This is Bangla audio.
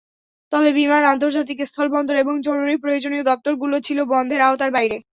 তবে বিমান, আন্তর্জাতিক স্থলবন্দর এবং জরুরি প্রয়োজনীয় দপ্তরগুলো ছিল বন্ধের আওতার বাইরে।